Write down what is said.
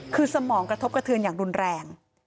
คือสมองกระทบกระเทือนอย่างรุนแรง